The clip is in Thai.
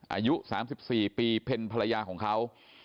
อายุ๓๔ปีเป็นภรรยาของเขา